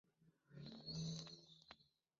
Dos noticias cierran el anecdotario del suceso